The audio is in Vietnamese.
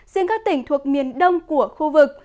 riêng các tỉnh thuộc miền đông của khu vực